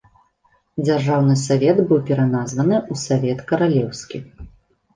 Дзяржаўны савет быў пераназваны ў савет каралеўскі.